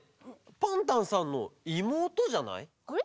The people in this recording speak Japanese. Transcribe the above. パンタンさんのいもうとじゃない？